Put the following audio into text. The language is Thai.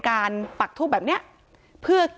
การแก้เคล็ดบางอย่างแค่นั้นเอง